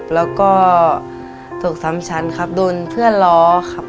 แล้วก็ตกซ้ำชั้นครับโดนเพื่อนล้อครับ